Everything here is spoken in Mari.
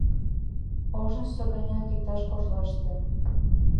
Ожнысо ганяк иктаж кожлаште».